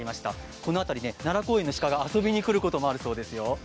この辺りに奈良公園の鹿が遊びに来ることがあるそうですよ。